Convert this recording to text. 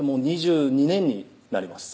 ２２年になります